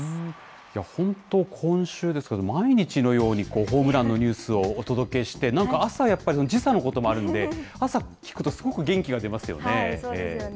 いや、本当、今週ですけど毎日のように、ホームランのニュースをお届けして、なんか朝、やっぱり、時差のこともあるんで、そうですよね。